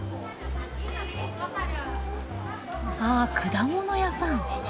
ああ果物屋さん。